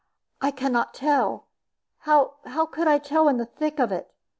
I can not tell how could I tell in the thick of it?